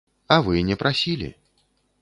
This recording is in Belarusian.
А вы не прасілі.